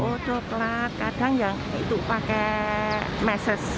oh coklat kadang yang itu pakai meses